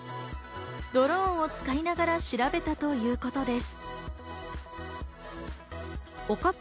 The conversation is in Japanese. ドローンを使いながら調べたということです。